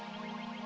aku sudah tahu